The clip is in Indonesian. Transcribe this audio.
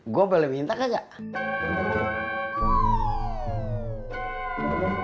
gue beli minta kakak